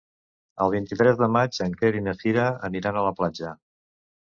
El vint-i-tres de maig en Quer i na Cira aniran a la platja.